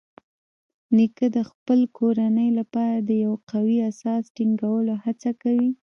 نیکه د خپل کورنۍ لپاره د یو قوي اساس ټینګولو هڅه کوي.